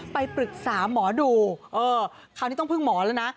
ไปปรึกษาหมอดูเออคราวนี้ต้องพึ่งหมอแล้วนะ